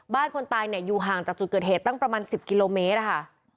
คนตายเนี่ยอยู่ห่างจากจุดเกิดเหตุตั้งประมาณ๑๐กิโลเมตรค่ะ